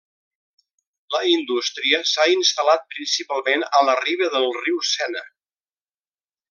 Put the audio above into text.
La indústria s'ha instal·lat principalment a la riba del riu Sena.